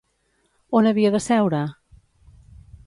On havia de seure?